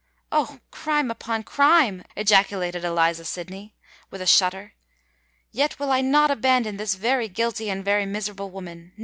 "Oh! crime upon crime!" ejaculated Eliza Sydney, with a shudder. "Yet will I not abandon this very guilty and very miserable woman!